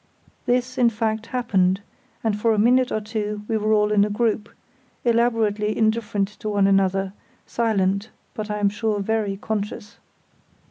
This, in fact, happened, and for a minute or two we were all in a group, elaborately indifferent to one another, silent, but I am sure very conscious.